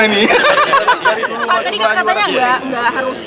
pak tadi kan katanya nggak harus mendaftar lagi kalau udah dapat surat tugas pak